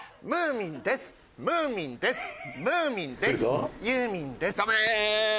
ムーミンです。